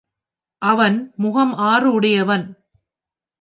அவன் முகம் ஆறு உடையவன்.